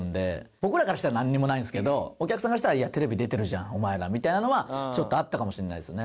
僕らからしたらなんにもないんですけどお客さんからしたら「いやテレビ出てるじゃんお前ら」みたいなのはちょっとあったかもしれないですよね。